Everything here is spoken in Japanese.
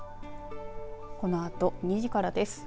このあと２時からです。